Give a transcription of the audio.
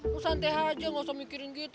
kok santai aja gak usah mikirin gitu